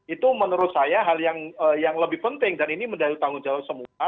itu menurut saya hal yang lebih penting dan ini menjadi tanggung jawab semua